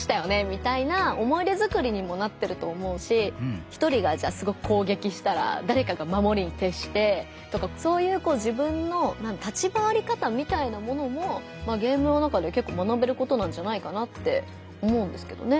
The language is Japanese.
みたいな思い出づくりにもなってると思うし１人がじゃあすごく攻撃したらだれかがまもりにてっしてとかそういうこう自分の立ち回り方みたいなものもゲームの中で結構学べることなんじゃないかなって思うんですけどね。